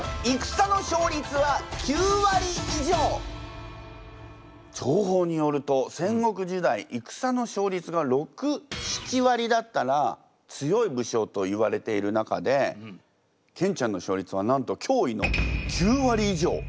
じょうほうによると戦国時代戦の勝率が６７割だったら強い武将といわれている中でケンちゃんの勝率はなんときょういの９割以上！？